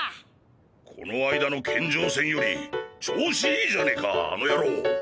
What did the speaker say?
この間の健丈戦より調子いいじゃねぇかあのヤロォ。